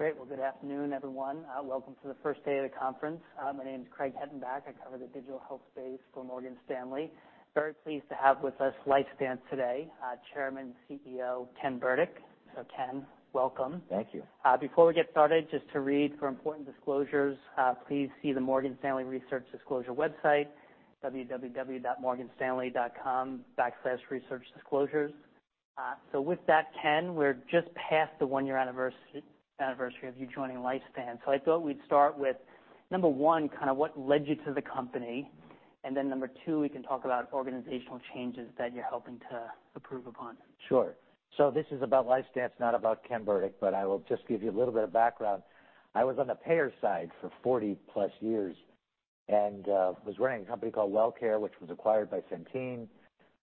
Great. Well, good afternoon, everyone. Welcome to the first day of the conference. My name is Craig Hettenbach. I cover the digital health space for Morgan Stanley. Very pleased to have with us LifeStance today, Chairman CEO Ken Burdick. So Ken, welcome. Thank you. Before we get started, just to read for important disclosures, please see the Morgan Stanley Research Disclosure website, www.morganstanley.com/researchdisclosures. So with that, Ken, we're just past the one-year anniversary of you joining LifeStance. So I thought we'd start with, number one, kind of what led you to the company, and then number two, we can talk about organizational changes that you're helping to improve upon. Sure. So this is about LifeStance, not about Ken Burdick, but I will just give you a little bit of background. I was on the payer side for 40+ years, and was running a company called WellCare, which was acquired by Centene.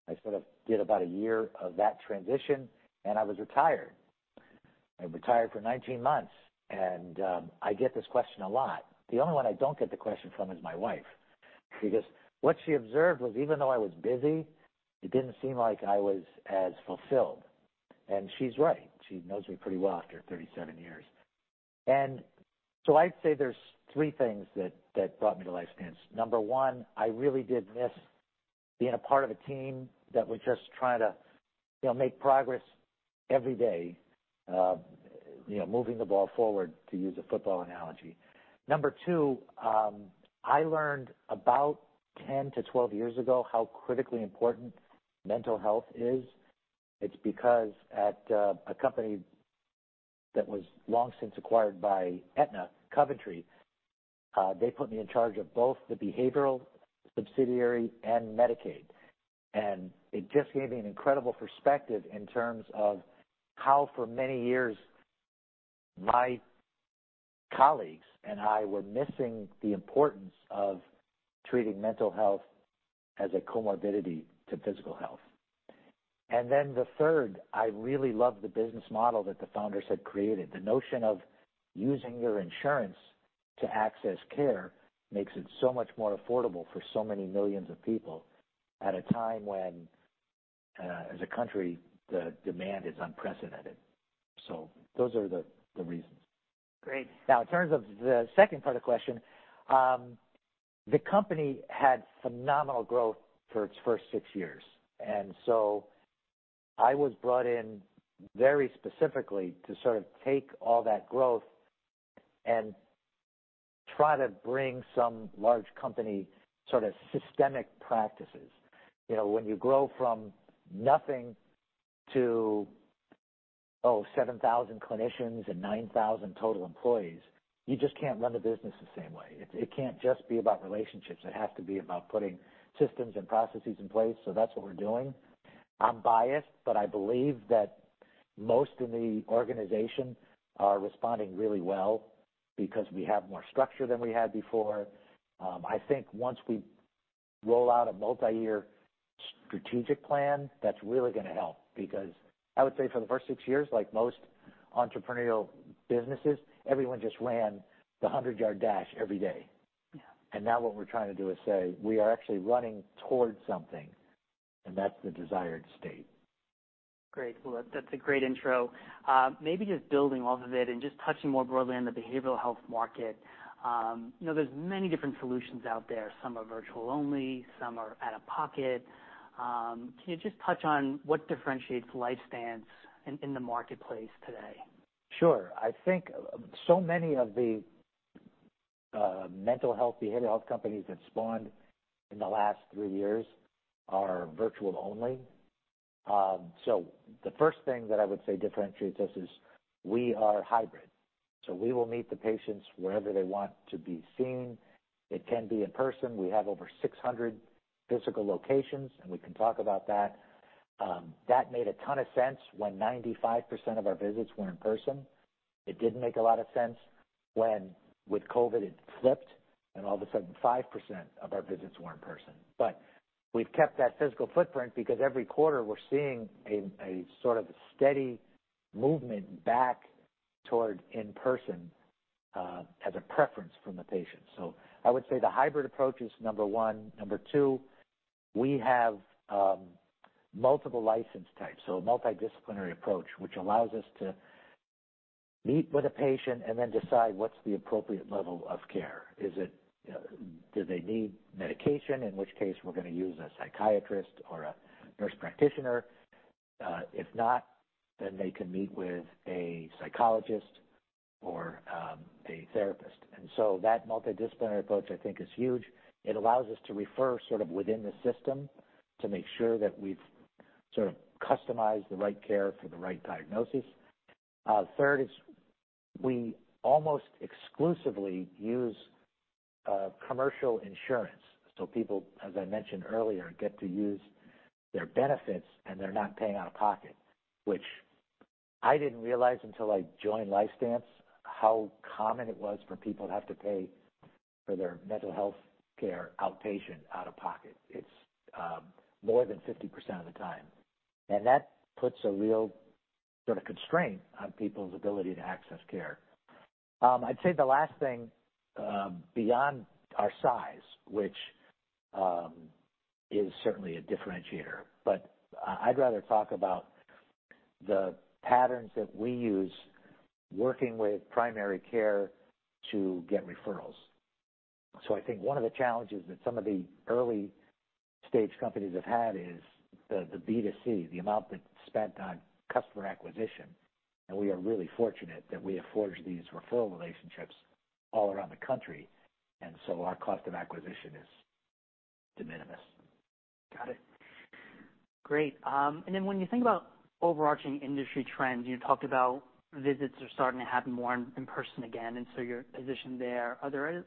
I sort of did about a year of that transition, and I was retired. I retired for 19 months, and I get this question a lot. The only one I don't get the question from is my wife, because what she observed was, even though I was busy, it didn't seem like I was as fulfilled. And she's right. She knows me pretty well after 37 years. And so I'd say there's three things that brought me to LifeStance. Number one, I really did miss being a part of a team that was just trying to, you know, make progress every day. You know, moving the ball forward, to use a football analogy. Number two, I learned about 10-12 years ago, how critically important mental health is. It's because at, a company that was long since acquired by Aetna, Coventry, they put me in charge of both the behavioral subsidiary and Medicaid. And it just gave me an incredible perspective in terms of how, for many years, my colleagues and I were missing the importance of treating mental health as a comorbidity to physical health. And then the third, I really loved the business model that the founders had created. The notion of using your insurance to access care makes it so much more affordable for so many millions of people, at a time when, as a country, the demand is unprecedented. So those are the reasons. Great. Now, in terms of the second part of the question, the company had phenomenal growth for its first six years, and so I was brought in very specifically to sort of take all that growth and try to bring some large company, sort of, systemic practices. You know, when you grow from nothing to, oh, 7,000 clinicians and 9,000 total employees, you just can't run the business the same way. It can't just be about relationships, it has to be about putting systems and processes in place, so that's what we're doing. I'm biased, but I believe that most of the organization are responding really well because we have more structure than we had before. I think once we roll out a multi-year strategic plan, that's really going to help, because I would say for the first six years, like most entrepreneurial businesses, everyone just ran the hundred-yard dash every day. Yeah. Now what we're trying to do is say, "We are actually running towards something," and that's the desired state. Great. Well, that's a great intro. Maybe just building off of it and just touching more broadly on the behavioral health market. You know, there's many different solutions out there. Some are virtual only, some are out-of-pocket. Can you just touch on what differentiates LifeStance in the marketplace today? Sure. I think so many of the mental health, behavioral health companies that spawned in the last 3 years are virtual only. So the first thing that I would say differentiates us is, we are hybrid, so we will meet the patients wherever they want to be seen. It can be in person. We have over 600 physical locations, and we can talk about that. That made a ton of sense when 95% of our visits were in person. It didn't make a lot of sense when, with COVID, it flipped, and all of a sudden, 5% of our visits were in person. But we've kept that physical footprint because every quarter we're seeing a sort of steady movement back toward in-person as a preference from the patient. So I would say the hybrid approach is number one. Number two, we have multiple license types, so a multidisciplinary approach, which allows us to meet with a patient and then decide what's the appropriate level of care. Is it? Do they need medication? In which case, we're going to use a psychiatrist or a nurse practitioner. If not, then they can meet with a psychologist or a therapist. And so that multidisciplinary approach, I think, is huge. It allows us to refer sort of within the system, to make sure that we've sort of customized the right care for the right diagnosis. Third is, we almost exclusively use commercial insurance, so people, as I mentioned earlier, get to use their benefits, and they're not paying out of pocket. Which I didn't realize until I joined LifeStance, how common it was for people to have to pay for their mental health care, outpatient, out-of-pocket. It's more than 50% of the time, and that puts a real sort of constraint on people's ability to access care. I'd say the last thing, beyond our size, which is certainly a differentiator, but I'd rather talk about the patterns that we use working with primary care to get referrals. So I think one of the challenges that some of the early stage companies have had is the B to C, the amount that's spent on customer acquisition, and we are really fortunate that we have forged these referral relationships all around the country, and so our cost of acquisition is de minimis. Got it. Great. And then when you think about overarching industry trends, you talked about visits are starting to happen more in person again, and so your position there. Are there any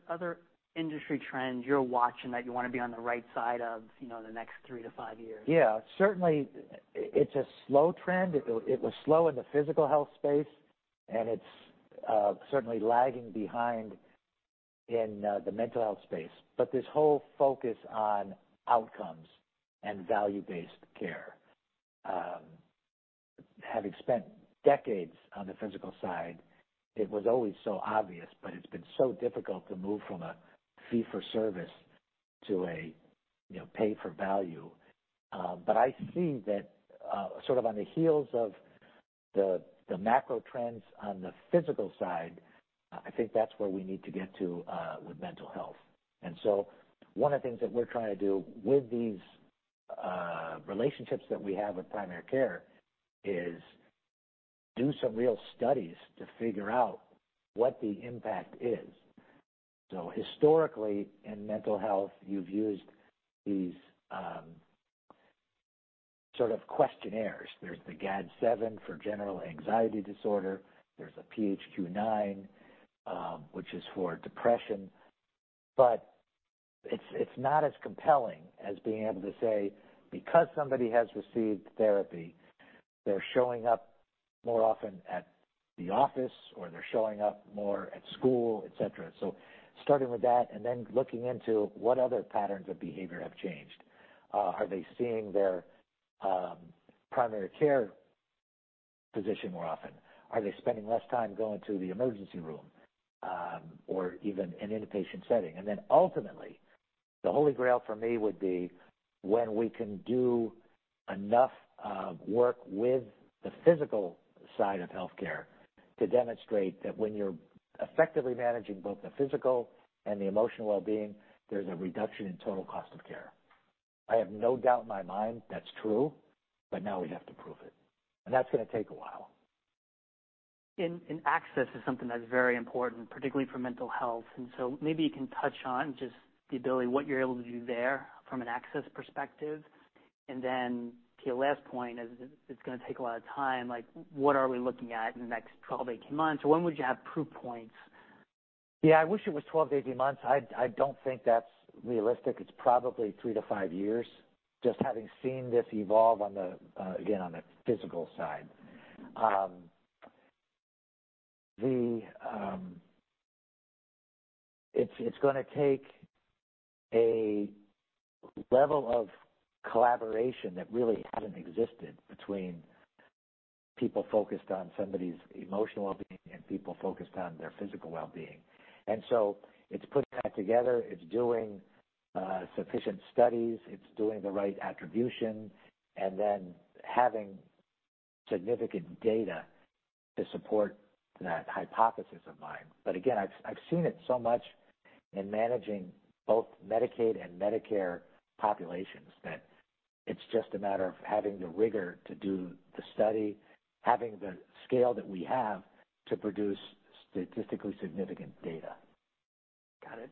other industry trends you're watching that you wanna be on the right side of, you know, the next three to five years? Yeah, certainly, it's a slow trend. It, it was slow in the physical health space, and it's certainly lagging behind in the mental health space. But this whole focus on outcomes and value-based care, having spent decades on the physical side, it was always so obvious, but it's been so difficult to move from a fee-for-service to a, you know, pay-for-value. But I see that sort of on the heels of the macro trends on the physical side, I think that's where we need to get to with mental health. And so one of the things that we're trying to do with these relationships that we have with primary care is do some real studies to figure out what the impact is. So historically, in mental health, you've used these sort of questionnaires. There's the GAD-7 for general anxiety disorder. There's a PHQ-9, which is for depression, but it's not as compelling as being able to say, because somebody has received therapy, they're showing up more often at the office, or they're showing up more at school, et cetera. So starting with that, and then looking into what other patterns of behavior have changed. Are they seeing their primary care physician more often? Are they spending less time going to the emergency room, or even an inpatient setting? And then ultimately, the holy grail for me would be when we can do enough work with the physical side of healthcare to demonstrate that when you're effectively managing both the physical and the emotional well-being, there's a reduction in total cost of care. I have no doubt in my mind that's true, but now we have to prove it, and that's gonna take a while. And access is something that's very important, particularly for mental health. And so maybe you can touch on just the ability, what you're able to do there from an access perspective. And then to your last point, it's gonna take a lot of time, like, what are we looking at in the next 12, 18 months? So when would you have proof points? Yeah, I wish it was 12-18 months. I, I don't think that's realistic. It's probably 3-5 years, just having seen this evolve on the, again, on the physical side. It's, it's gonna take a level of collaboration that really hadn't existed between people focused on somebody's emotional well-being and people focused on their physical well-being. And so it's putting that together. It's doing sufficient studies. It's doing the right attribution, and then having significant data to support that hypothesis of mine. But again, I've, I've seen it so much in managing both Medicaid and Medicare populations, that it's just a matter of having the rigor to do the study, having the scale that we have to produce statistically significant data. Got it.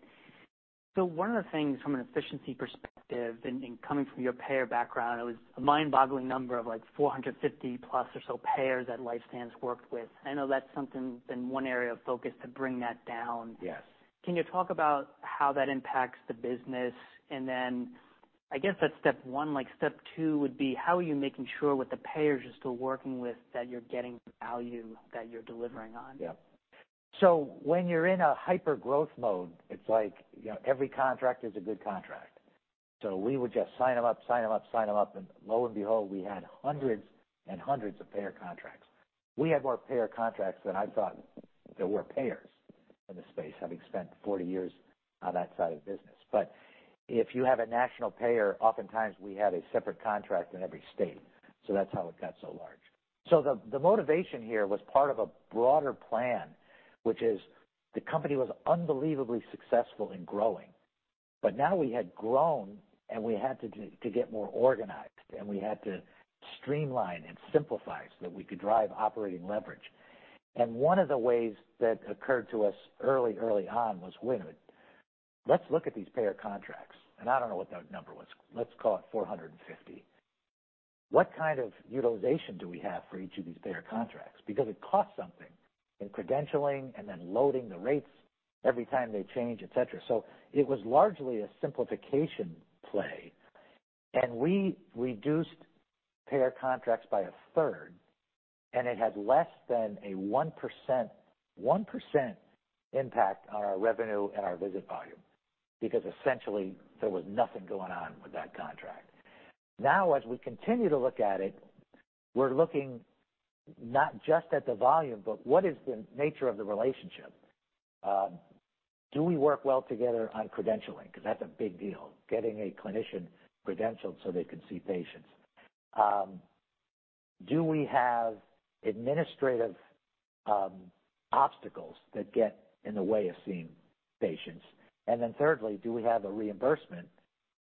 So one of the things from an efficiency perspective, and coming from your payer background, it was a mind-boggling number of, like, 450+ or so payers that LifeStance worked with. I know that's something been one area of focus to bring that down. Yes. Can you talk about how that impacts the business? And then I guess that's step one, like, step two would be, how are you making sure with the payers you're still working with, that you're getting value that you're delivering on? Yeah. So when you're in a hyper-growth mode, it's like, you know, every contract is a good contract. So we would just sign them up, sign them up, sign them up, and lo and behold, we had hundreds and hundreds of payer contracts. We had more payer contracts than I thought there were payers in the space, having spent 40 years on that side of the business. But if you have a national payer, oftentimes we had a separate contract in every state. So that's how it got so large. So the, the motivation here was part of a broader plan, which is the company was unbelievably successful in growing, but now we had grown, and we had to do to get more organized, and we had to streamline and simplify so that we could drive operating leverage. One of the ways that occurred to us early, early on was when, let's look at these payer contracts, and I don't know what that number was. Let's call it 450. What kind of utilization do we have for each of these payer contracts? Because it costs something in credentialing and then loading the rates every time they change, et cetera. So it was largely a simplification play, and we reduced payer contracts by a third, and it had less than a 1%, 1% impact on our revenue and our visit volume, because essentially, there was nothing going on with that contract. Now, as we continue to look at it. We're looking not just at the volume, but what is the nature of the relationship? Do we work well together on credentialing? Because that's a big deal, getting a clinician credentialed so they can see patients. Do we have administrative obstacles that get in the way of seeing patients? And then thirdly, do we have a reimbursement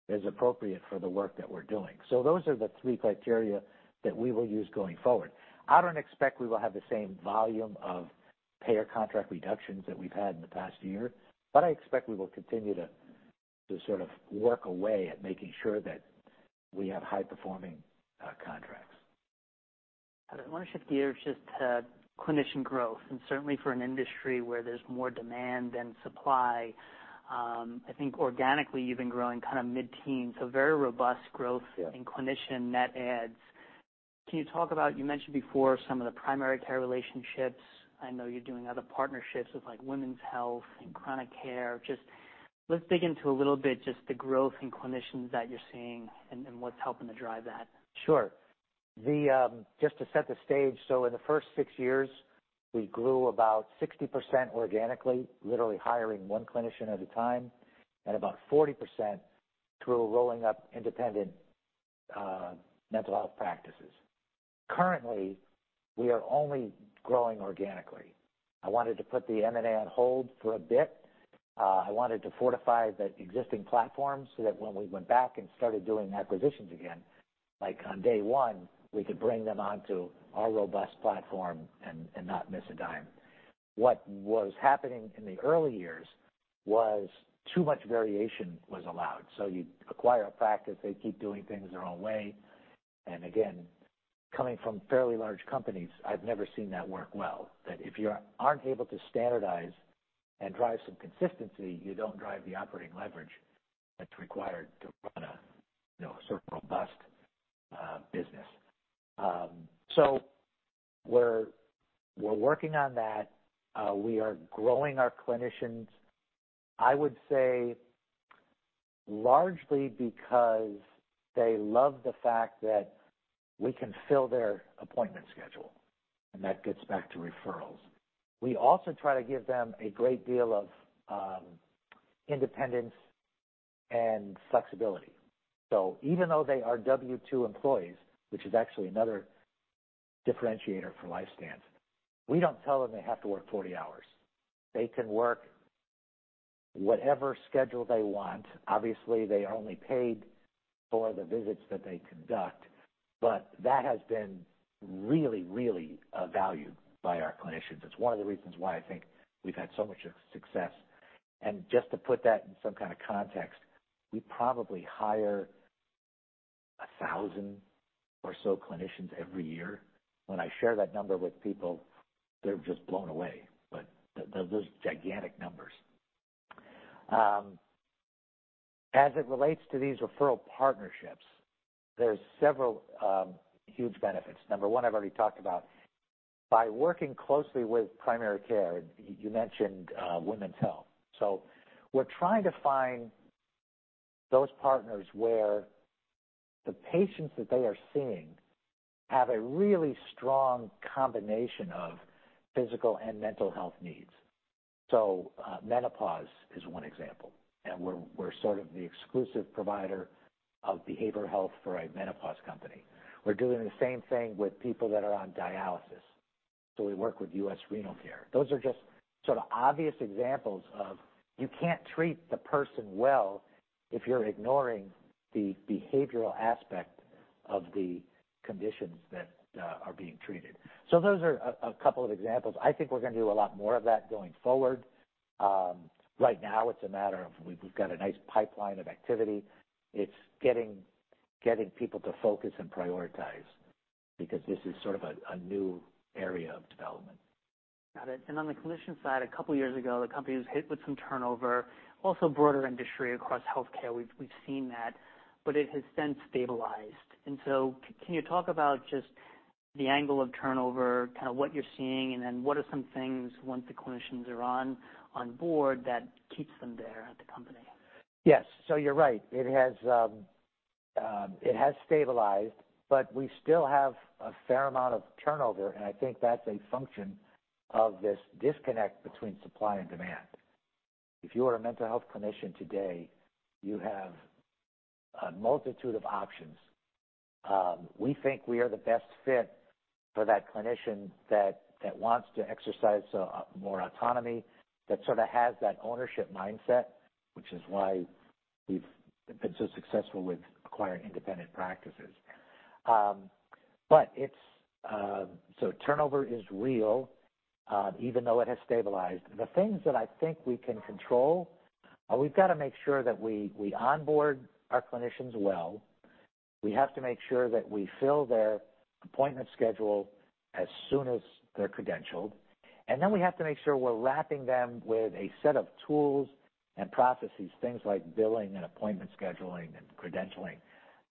that is appropriate for the work that we're doing? So those are the three criteria that we will use going forward. I don't expect we will have the same volume of payer contract reductions that we've had in the past year, but I expect we will continue to sort of work away at making sure that we have high-performing contracts. I want to shift gears just to clinician growth, and certainly for an industry where there's more demand than supply, I think organically you've been growing kind of mid-teens, so very robust growth- Yeah In clinician net adds. Can you talk about, you mentioned before, some of the primary care relationships. I know you're doing other partnerships with, like, women's health and chronic care. Just let's dig into a little bit, just the growth in clinicians that you're seeing and, and what's helping to drive that. Sure. The just to set the stage, in the first six years, we grew about 60% organically, literally hiring one clinician at a time, and about 40% through rolling up independent mental health practices. Currently, we are only growing organically. I wanted to put the M&A on hold for a bit. I wanted to fortify the existing platform so that when we went back and started doing acquisitions again, like, on day one, we could bring them onto our robust platform and not miss a dime. What was happening in the early years was too much variation was allowed. So you'd acquire a practice, they'd keep doing things their own way, and again, coming from fairly large companies, I've never seen that work well. That if you aren't able to standardize and drive some consistency, you don't drive the operating leverage that's required to run a, you know, sort of robust business. So we're, we're working on that. We are growing our clinicians, I would say, largely because they love the fact that we can fill their appointment schedule, and that gets back to referrals. We also try to give them a great deal of independence and flexibility. So even though they are W-2 employees, which is actually another differentiator for LifeStance, we don't tell them they have to work 40 hours. They can work whatever schedule they want. Obviously, they are only paid for the visits that they conduct, but that has been really, really valued by our clinicians. It's one of the reasons why I think we've had so much success. Just to put that in some kind of context, we probably hire 1000 or so clinicians every year. When I share that number with people, they're just blown away, but those are gigantic numbers. As it relates to these referral partnerships, there's several huge benefits. Number one, I've already talked about, by working closely with primary care, you mentioned women's health. So we're trying to find those partners where the patients that they are seeing have a really strong combination of physical and mental health needs. So, menopause is one example, and we're sort of the exclusive provider of behavioral health for a menopause company. We're doing the same thing with people that are on dialysis, so we work with US Renal Care. Those are just sort of obvious examples of you can't treat the person well if you're ignoring the behavioral aspect of the conditions that are being treated. So those are a couple of examples. I think we're gonna do a lot more of that going forward. Right now, it's a matter of we've got a nice pipeline of activity. It's getting people to focus and prioritize because this is sort of a new area of development. Got it. And on the clinician side, a couple years ago, the company was hit with some turnover, also broader industry across healthcare, we've seen that, but it has since stabilized. And so can you talk about just the angle of turnover, kind of what you're seeing, and then what are some things once the clinicians are on board, that keeps them there at the company? Yes. So you're right, it has stabilized, but we still have a fair amount of turnover, and I think that's a function of this disconnect between supply and demand. If you are a mental health clinician today, you have a multitude of options. We think we are the best fit for that clinician that wants to exercise more autonomy, that sort of has that ownership mindset, which is why we've been so successful with acquiring independent practices. But it's... So turnover is real, even though it has stabilized. The things that I think we can control, we've got to make sure that we onboard our clinicians well. We have to make sure that we fill their appointment schedule as soon as they're credentialed, and then we have to make sure we're wrapping them with a set of tools and processes, things like billing and appointment scheduling, and credentialing,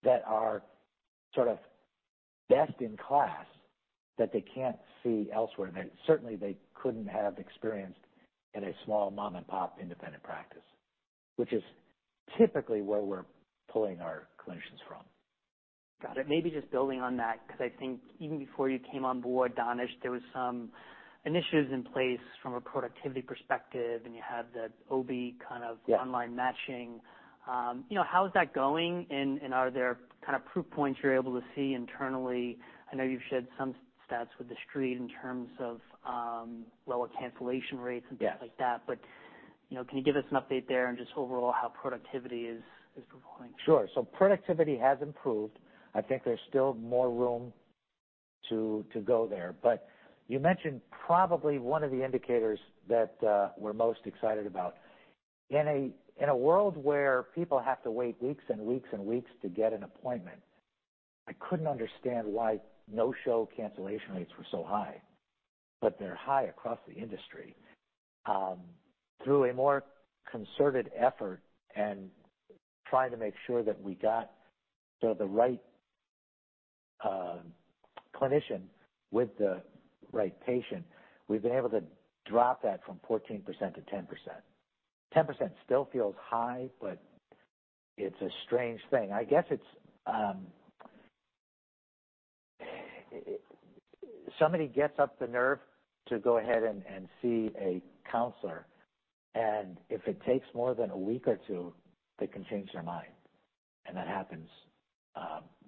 that are sort of best in class... that they can't see elsewhere, that certainly they couldn't have experienced in a small mom-and-pop independent practice, which is typically where we're pulling our clinicians from. Got it. Maybe just building on that, because I think even before you came on board, Danish, there was some initiatives in place from a productivity perspective, and you had the OBIE kind of-online matching. You know, how is that going? And, and are there kind of proof points you're able to see internally? I know you've shared some stats with the street in terms of, lower cancellation rates- Yes and things like that, but, you know, can you give us an update there and just overall how productivity is performing? Sure. So productivity has improved. I think there's still more room to go there. But you mentioned probably one of the indicators that we're most excited about. In a world where people have to wait weeks and weeks and weeks to get an appointment, I couldn't understand why no-show cancellation rates were so high, but they're high across the industry. Through a more concerted effort and trying to make sure that we got sort of the right clinician with the right patient, we've been able to drop that from 14%-10%. 10% still feels high, but it's a strange thing. I guess it's... Somebody gets up the nerve to go ahead and see a counselor, and if it takes more than a week or two, they can change their mind, and that happens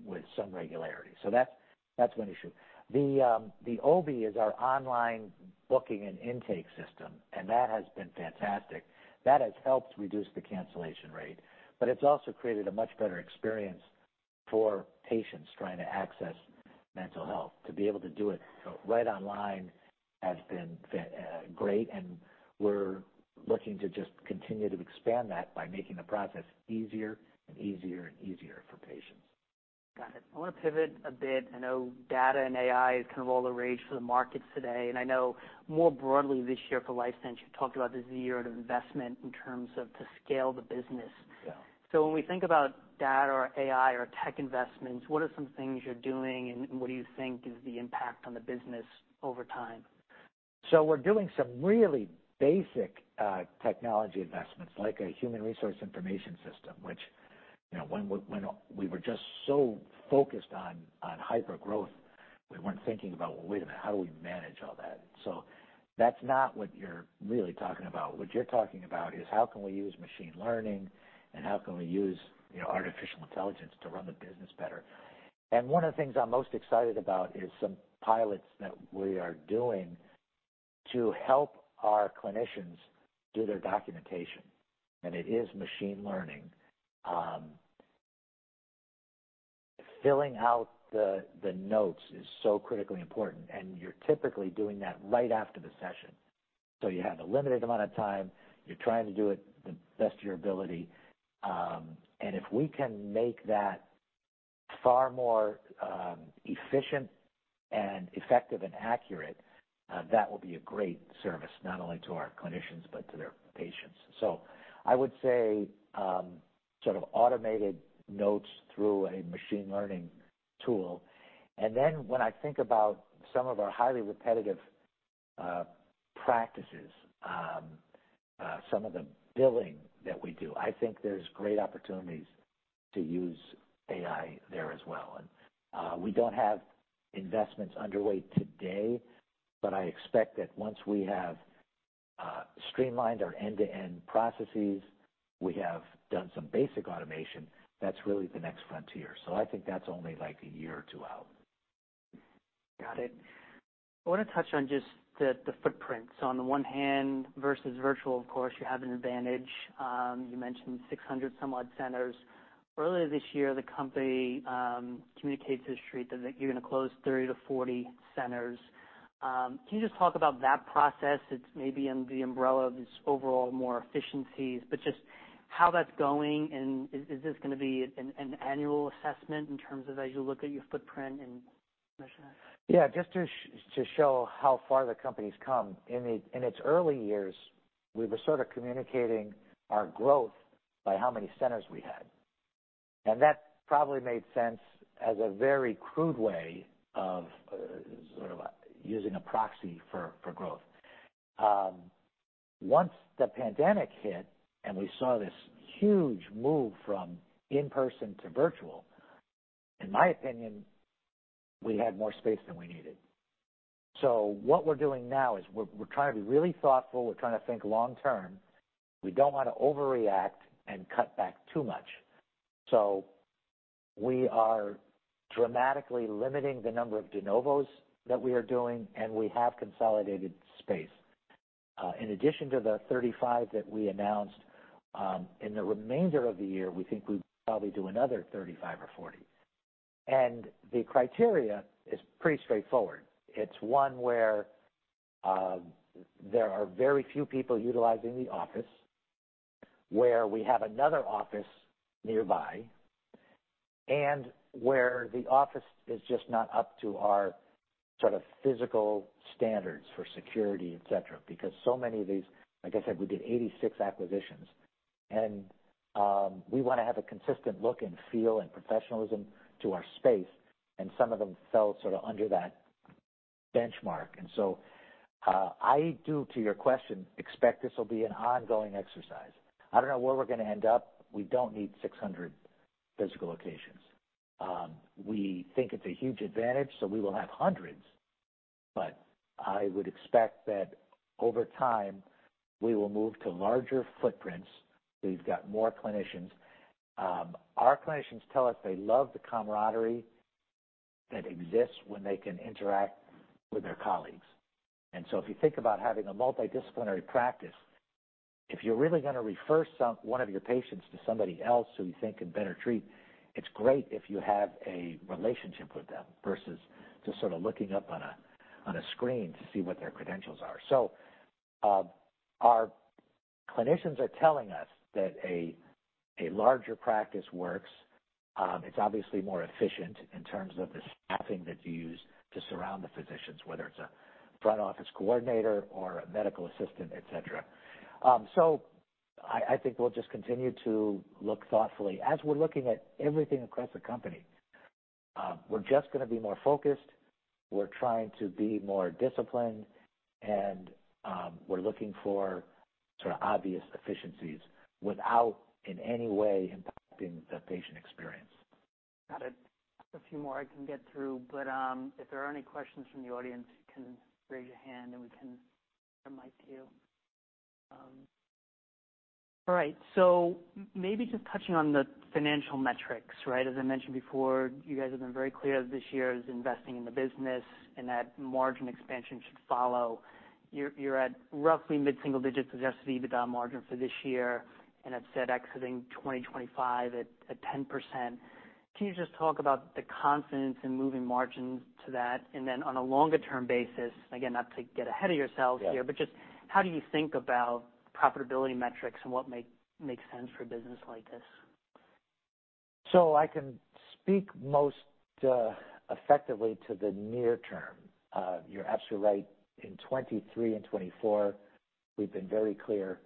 with some regularity. So that's one issue. The OBIE is our online booking and intake system, and that has been fantastic. That has helped reduce the cancellation rate, but it's also created a much better experience for patients trying to access mental health. To be able to do it right online has been great, and we're looking to just continue to expand that by making the process easier and easier and easier for patients. Got it. I want to pivot a bit. I know data and AI is kind of all the rage for the markets today, and I know more broadly this year for LifeStance, you talked about this year of investment in terms of to scale the business. Yeah. So when we think about data or AI or tech investments, what are some things you're doing, and what do you think is the impact on the business over time? So we're doing some really basic technology investments, like a human resource information system, which, you know, when we, when we were just so focused on, on hypergrowth, we weren't thinking about: Well, wait a minute, how do we manage all that? So that's not what you're really talking about. What you're talking about is, how can we use machine learning, and how can we use, you know, artificial intelligence to run the business better? And one of the things I'm most excited about is some pilots that we are doing to help our clinicians do their documentation, and it is machine learning. Filling out the notes is so critically important, and you're typically doing that right after the session, so you have a limited amount of time. You're trying to do it the best of your ability, and if we can make that far more efficient and effective and accurate, that will be a great service, not only to our clinicians, but to their patients. So I would say, sort of automated notes through a machine learning tool. And then when I think about some of our highly repetitive practices, some of the billing that we do, I think there's great opportunities to use AI there as well. And, we don't have investments underway today, but I expect that once we have streamlined our end-to-end processes, we have done some basic automation, that's really the next frontier. So I think that's only, like, a year or two out. Got it. I want to touch on just the footprint. So on the one hand, versus virtual, of course, you have an advantage. You mentioned 600 somewhat centers. Earlier this year, the company communicated to the street that you're going to close 30-40 centers. Can you just talk about that process? It's maybe in the umbrella of this overall more efficiencies, but just how that's going, and is this going to be an annual assessment in terms of as you look at your footprint, and measure that? Yeah, just to show how far the company's come, in its early years, we were sort of communicating our growth by how many centers we had. And that probably made sense as a very crude way of sort of using a proxy for growth. Once the pandemic hit, and we saw this huge move from in-person to virtual, in my opinion, we had more space than we needed. So what we're doing now is we're trying to be really thoughtful. We're trying to think long term. We don't want to overreact and cut back too much. So we are dramatically limiting the number of de novos that we are doing, and we have consolidated space. In addition to the 35 that we announced, in the remainder of the year, we think we'd probably do another 35 or 40. The criteria is pretty straightforward. It's one where there are very few people utilizing the office, where we have another office nearby, and where the office is just not up to our sort of physical standards for security, et cetera. Because so many of these, like I said, we did 86 acquisitions… And we wanna have a consistent look and feel and professionalism to our space, and some of them fell sort of under that benchmark. And so, I do, to your question, expect this will be an ongoing exercise. I don't know where we're gonna end up. We don't need 600 physical locations. We think it's a huge advantage, so we will have hundreds, but I would expect that over time, we will move to larger footprints. We've got more clinicians. Our clinicians tell us they love the camaraderie that exists when they can interact with their colleagues. And so if you think about having a multidisciplinary practice, if you're really gonna refer one of your patients to somebody else who you think can better treat, it's great if you have a relationship with them versus just sort of looking up on a screen to see what their credentials are. So, our clinicians are telling us that a larger practice works. It's obviously more efficient in terms of the staffing that you use to surround the physicians, whether it's a front office coordinator or a medical assistant, et cetera. So I think we'll just continue to look thoughtfully. As we're looking at everything across the company, we're just gonna be more focused. We're trying to be more disciplined, and we're looking for sort of obvious efficiencies without in any way impacting the patient experience. Got it. A few more I can get through, but if there are any questions from the audience, you can raise your hand, and we can bring the mic to you. All right, so maybe just touching on the financial metrics, right? As I mentioned before, you guys have been very clear that this year is investing in the business and that margin expansion should follow. You're at roughly mid-single digits, Adjusted EBITDA margin for this year, and have said exiting 2025 at 10%. Can you just talk about the confidence in moving margins to that? And then on a longer term basis, again, not to get ahead of yourselves here- Yeah. But just how do you think about profitability metrics and what makes sense for a business like this? So I can speak most effectively to the near term. You're absolutely right. In 2023 and 2024, we've been very clear,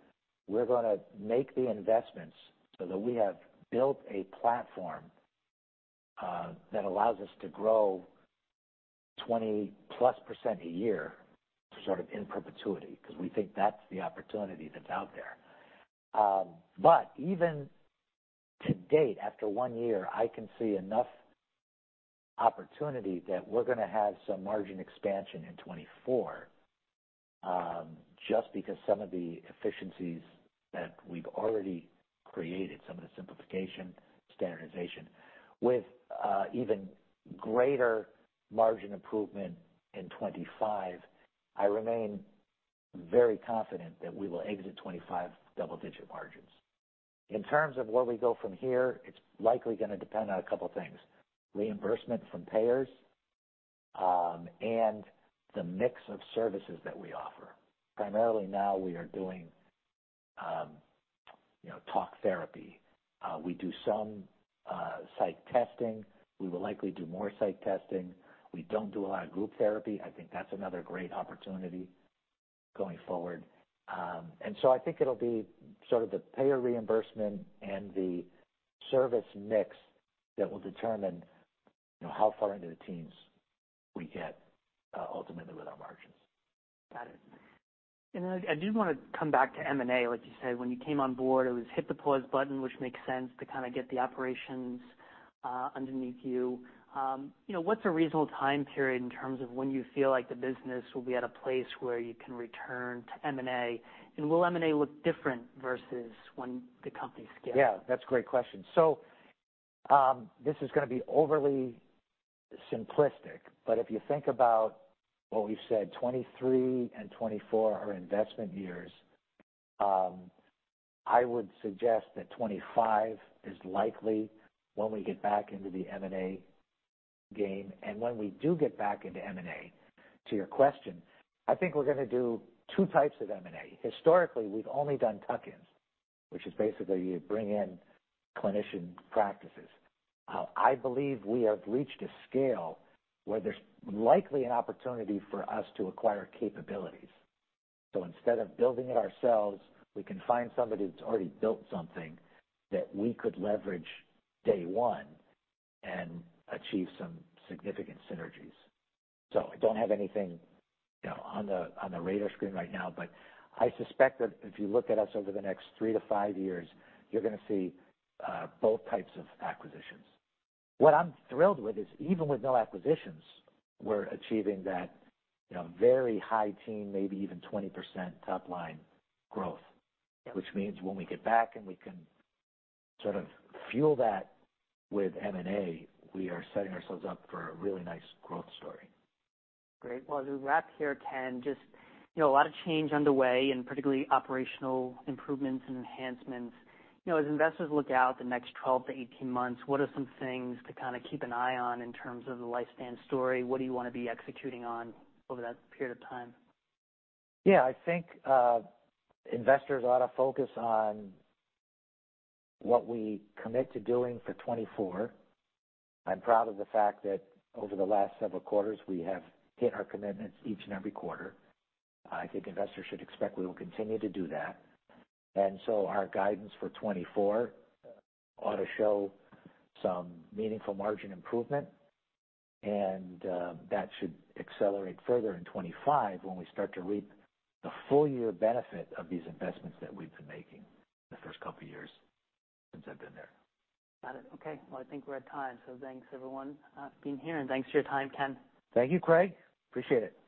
we're gonna make the investments so that we have built a platform that allows us to grow 20%+ a year, sort of in perpetuity, because we think that's the opportunity that's out there. But even to date, after one year, I can see enough opportunity that we're gonna have some margin expansion in 2024, just because some of the efficiencies that we've already created, some of the simplification, standardization, with even greater margin improvement in 2025. I remain very confident that we will exit 2025 double digit margins. In terms of where we go from here, it's likely gonna depend on a couple things: reimbursement from payers, and the mix of services that we offer. Primarily now, we are doing, you know, talk therapy. We do some psych testing. We will likely do more psych testing. We don't do a lot of group therapy. I think that's another great opportunity going forward. And so I think it'll be sort of the payer reimbursement and the service mix that will determine, you know, how far into the teens we get, ultimately with our margins. Got it. And I do wanna come back to M&A. Like you said, when you came on board, it was hit the pause button, which makes sense to kind of get the operations underneath you. You know, what's a reasonable time period in terms of when you feel like the business will be at a place where you can return to M&A? And will M&A look different versus when the company scaled? Yeah, that's a great question. So, this is gonna be overly simplistic, but if you think about what we've said, 2023 and 2024 are investment years. I would suggest that 2025 is likely when we get back into the M&A game. And when we do get back into M&A, to your question, I think we're gonna do two types of M&A. Historically, we've only done tuck-ins, which is basically you bring in clinician practices. I believe we have reached a scale where there's likely an opportunity for us to acquire capabilities. So instead of building it ourselves, we can find somebody that's already built something that we could leverage day one and achieve some significant synergies. So I don't have anything, you know, on the, on the radar screen right now, but I suspect that if you look at us over the next 3-5 years, you're gonna see both types of acquisitions. What I'm thrilled with is, even with no acquisitions, we're achieving that, you know, very high teens, maybe even 20% top line growth. Which means when we get back and we can sort of fuel that with M&A, we are setting ourselves up for a really nice growth story. Great. Well, as we wrap here, Ken, just, you know, a lot of change underway and particularly operational improvements and enhancements. You know, as investors look out the next 12-18 months, what are some things to kind of keep an eye on in terms of the LifeStance story? What do you wanna be executing on over that period of time? Yeah, I think, investors ought to focus on what we commit to doing for 2024. I'm proud of the fact that over the last several quarters, we have hit our commitments each and every quarter. I think investors should expect we will continue to do that. And so our guidance for 2024 ought to show some meaningful margin improvement, and, that should accelerate further in 2025, when we start to reap the full year benefit of these investments that we've been making the first couple years since I've been there. Got it. Okay, well, I think we're at time, so thanks everyone, for being here, and thanks for your time, Ken. Thank you, Craig. Appreciate it.